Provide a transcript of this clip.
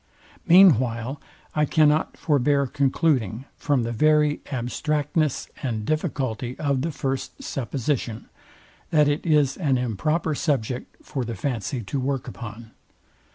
Mean while I cannot forbear concluding, from the very abstractedness and difficulty of the first supposition, that it is an improper subject for the fancy to work upon.